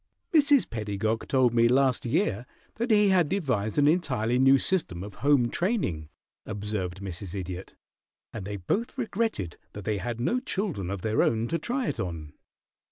"Mrs. Pedagog told me last year that he had devised an entirely new system of home training," observed Mrs. Idiot, "and they both regretted that they had no children of their own to try it on."